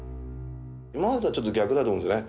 今までとはちょっと逆だと思うんですね。